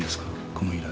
この依頼。